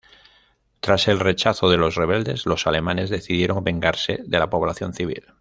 Tras el rechazo de los rebeldes, los alemanes decidieron vengarse de la población civil.